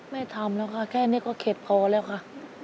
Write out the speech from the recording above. ไม่ทำแล้วค่ะแค่นี้ก็เข็ดพอแล้วค่ะ